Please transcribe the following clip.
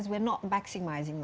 seperti kota lain misalnya